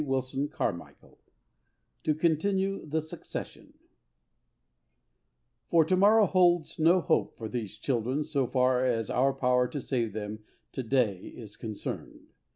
CHAPTER XXXIV "To Continue the Succession" FOR to morrow holds no hope for these children so far as our power to save them to day is concerned.